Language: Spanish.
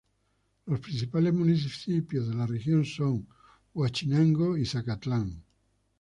Los principales municipios de la región son Huauchinango y Zacatlán.